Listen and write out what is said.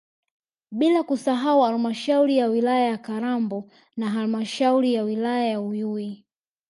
Bila kusahau halmashauri ya wilaya ya Kalambo na halmashauri ya wilaya ya Uyui